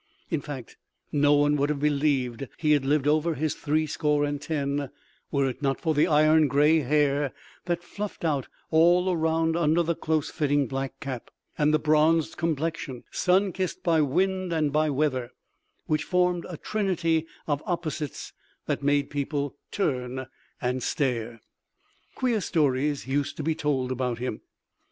In fact, no one would have believed he had lived over his threescore and ten, were it not for the iron gray hair that fluffed out all around under the close fitting black cap, and the bronzed complexion—sun kissed by wind and by weather—which formed a trinity of opposites that made people turn and stare. Queer stories used to be told about him.